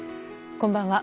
こんばんは。